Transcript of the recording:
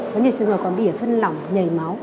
có nhiều trường hợp còn bị ỉa phân lỏng nhảy máu